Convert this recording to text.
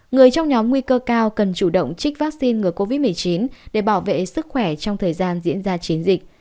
người trong nhóm nguy cơ cao cần chủ động trích vaccine ngừa covid một mươi chín để bảo vệ sức khỏe trong thời gian diễn ra chiến dịch